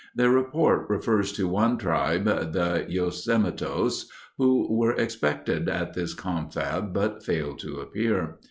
Their report refers to one tribe, the "Yosemetos," who were expected at this confab but failed to appear.